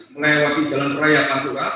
melewati jalan peraya pampura